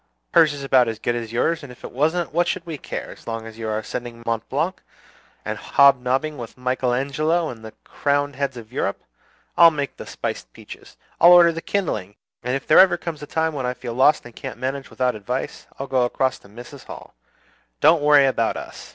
Hers is about as good as yours; and if it wasn't, what should we care, as long as you are ascending Mont Blanc, and hob nobbing with Michael Angelo and the crowned heads of Europe? I'll make the spiced peaches! I'll order the kindling! And if there ever comes a time when I feel lost and can't manage without advice, I'll go across to Mrs. Hall. Don't worry about us.